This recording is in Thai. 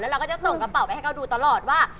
เราก็จะส่งกระเป๋าไปให้เขาดูตลอดว่า